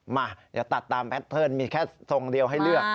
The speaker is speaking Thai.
มาตัดตามแบตเติร์นมีแค่ทรงเดียวให้เลือก